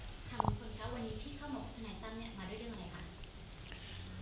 ท่านคุณคะวันนี้ที่เข้าหมดขนาดตั้งเนี่ยมาด้วยเรื่องอะไรคะ